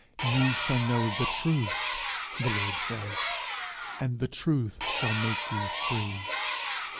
'Ye shall know the truth,' the Lord says, 'and the truth shall make you free.